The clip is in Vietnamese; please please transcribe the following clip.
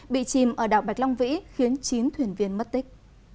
bị chìm ở đảo bạch long vĩ khiến chín thuyền viên mất tích